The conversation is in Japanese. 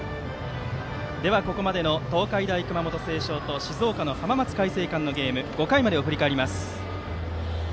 ここまでの東海大熊本星翔と静岡の浜松開誠館のゲーム５回までを振り返ります。